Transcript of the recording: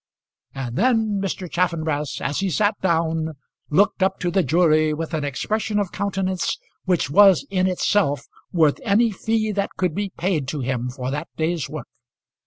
And then Mr. Chaffanbrass, as he sat down, looked up to the jury with an expression of countenance which was in itself worth any fee that could be paid to him for that day's work.